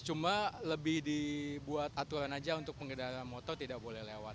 cuma lebih dibuat aturan aja untuk pengendara motor tidak boleh lewat